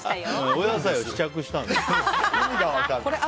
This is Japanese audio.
お野菜を試着したんですけど。